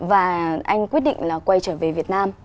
và anh quyết định là quay trở về việt nam